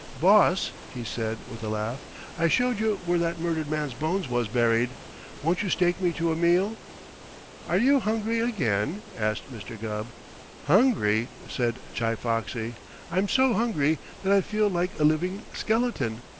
"Boss," he said with a laugh, "I showed you where that murdered man's bones was buried, won't you stake me to a meal?" "Are you hungry again?" asked Mr. Gubb. "Hungry?" said Chi Foxy. "I'm so hungry that I feel like a living skeleton.